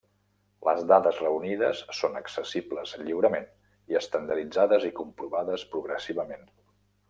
Les dades reunides són accessibles lliurement i estandarditzades i comprovades progressivament.